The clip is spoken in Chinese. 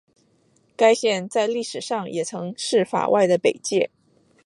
该线在历史上也曾是法外的北界。